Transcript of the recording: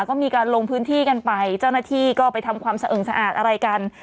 ก็มีการลงพื้นที่กันไปเจ้าหน้าที่ก็ไปทำความสะอึงสะอาดอะไรกัน